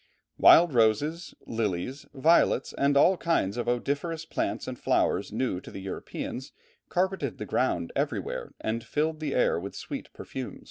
Wild roses, lilies, violets, and all kinds of odoriferous plants and flowers, new to the Europeans, carpeted the ground everywhere, and filled the air with sweet perfumes.